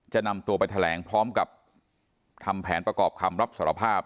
นำตัวไปแถลงพร้อมกับทำแผนประกอบคำรับสารภาพ